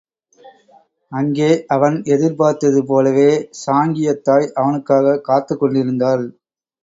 அங்கே அவன் எதிர்பார்த்தது போலவே சாங்கியத் தாய் அவனுக்காகக் காத்துக் கொண்டிருந்தாள்.